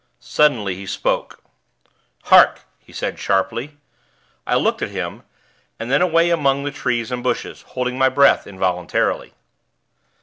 Suddenly, he spoke. "Hark!" he said, sharply. I looked at him, and then away among the trees and bushes, holding my breath involuntarily.